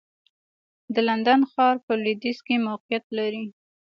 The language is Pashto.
د لندن ښار په لوېدیځ کې موقعیت لري.